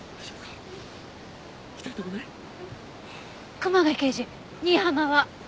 熊谷刑事新浜は？